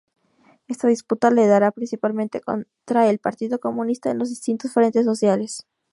Esta disputa la dará principalmente contra el Partido Comunista en los distintos frentes sociales.